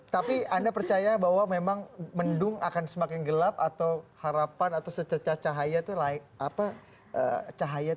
tapi anda percaya bahwa memang mendung akan semakin gelap atau harapan atau secerca cahaya itu